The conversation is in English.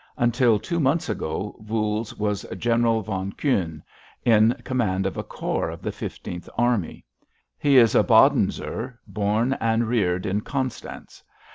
Until two months ago Voules was General von Kuhne, in command of a corps of the Fifteenth Army. He is a Badenser, born and reared in Constance.